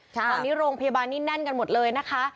ตอนนี้โรงพยาบาลนี่แน่นกันหมดเลยนะคะ